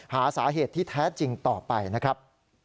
หาสาเหตุที่แท้จริงต่อไปนะครับ